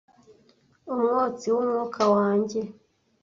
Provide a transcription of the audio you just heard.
Umwotsi w'umwuka wanjye,